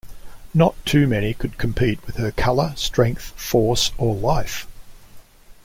Not too many could compete with her "colour, strength, force, or life".